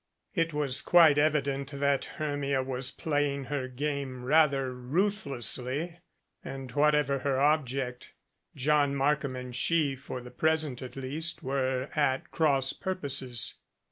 It was quite evident that Hermia was playing her ^ame rather ruthlessly and, whatever her object, John "Markham and she for the present at least were at cross purposes.